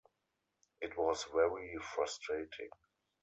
It was very frustrating.